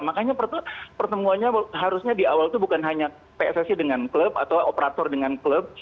makanya pertemuannya harusnya di awal itu bukan hanya pssi dengan klub atau operator dengan klub